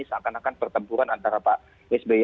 seakan akan pertempuran antara pak sby